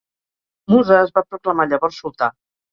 Musa es va proclamar llavors sultà.